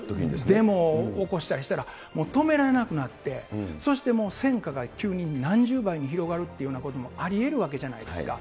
デモを起こしたりしたら、もう止められなくなって、そしてもう、戦火が急に何十倍にも広がるというようなこともありえるわけじゃないですか。